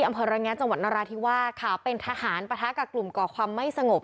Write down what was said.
อำเภอระแงะจังหวัดนราธิวาสค่ะเป็นทหารปะทะกับกลุ่มก่อความไม่สงบ